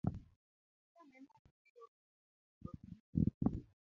Dhi anena e chiro piyo piyo koth biro